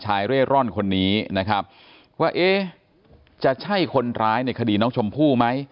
เร่ร่อนคนนี้นะครับว่าเอ๊ะจะใช่คนร้ายในคดีน้องชมพู่ไหม